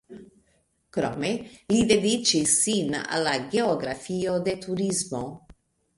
Krome li dediĉis sin al la geografio de turismo.